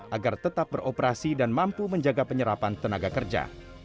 agar tetap beroperasi dan mampu menjaga penyerapan tenaga kerja